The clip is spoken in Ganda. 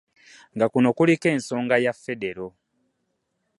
Nga kuno kuliko; ensonga ya Federo